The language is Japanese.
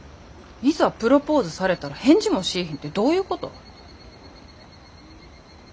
いざプロポーズされたら返事もしいひんてどういうこと？